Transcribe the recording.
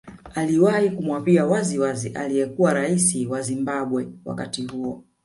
Aliwahi kumwambia waziwazi aliyekuwa rais wa Zimbabwe wakati huo